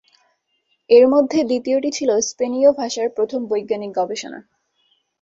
এর মধ্যে দ্বিতীয়টি ছিল স্পেনীয় ভাষার প্রথম বৈজ্ঞানিক গবেষণা।